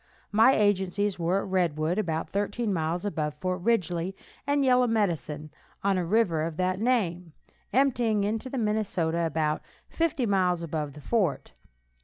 My agencies were at Redwood, about thirteen miles above Fort Ridgely, and at Yellow Medicine, on a river of that name, emptying into the Minnesota about fifty miles above the fort.